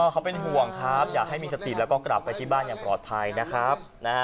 เขาเป็นห่วงครับอยากให้มีสติแล้วก็กลับไปที่บ้านอย่างปลอดภัยนะครับ